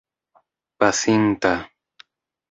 pasinta